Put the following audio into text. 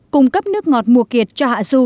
cung cấp nước ngọt mùa kiệt cho hạ du